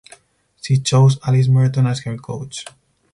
She chose Alice Merton as her coach.